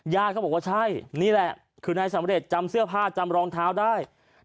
เขาบอกว่าใช่นี่แหละคือนายสำเร็จจำเสื้อผ้าจำรองเท้าได้